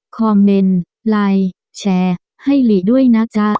คอมเมนต์ไลน์แชร์ให้หลีด้วยนะจ๊ะ